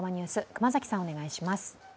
熊崎さん、お願いします。